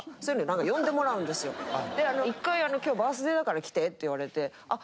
１回今日バースデーだから来てって言われて誰の？って聞いたら。